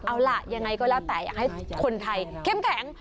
เอาล่ะยังไงก็แล้วแต่อยากให้คนไทยเข้มแข็ง